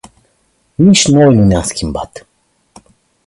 Nici noi nu ne-am schimbat.